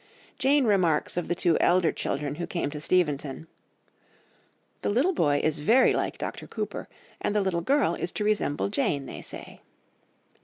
Jane remarks of the two elder children who came to Steventon, "the little boy is very like Dr. Cooper, and the little girl is to resemble Jane, they say."